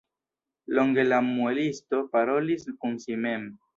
Longe la muelisto parolis kun si mem.